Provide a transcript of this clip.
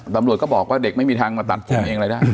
ตำรวจก็บอกว่าเด็กไม่มีทางมาตัดผมเองอะไรได้